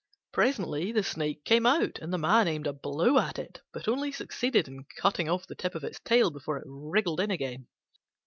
Presently the Snake came out, and the man aimed a blow at it, but only succeeded in cutting off the tip of its tail before it wriggled in again.